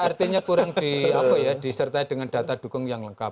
artinya kurang disertai dengan data dukung yang lengkap